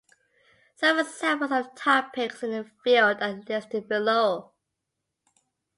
Some examples of topics in the field are listed below.